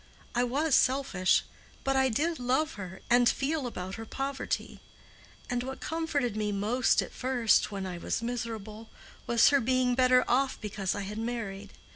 I was selfish, but I did love her, and feel about her poverty; and what comforted me most at first, when I was miserable, was her being better off because I had married.